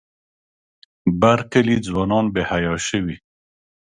بر کلي ځوانان بې حیا شوي.